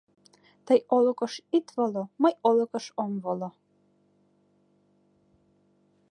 Тый олыкыш ит воло, мый олыкыш ом воло